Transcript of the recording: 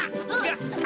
gapapa coba berbuka